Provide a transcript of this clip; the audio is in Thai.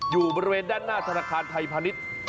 อยู่บริเวณด้านหน้าธนาคารไทยพาณิชย์